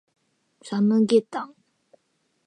サムゲタン